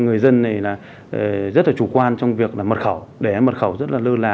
người dân này là rất là chủ quan trong việc là mật khẩu để mật khẩu rất là lưu lạ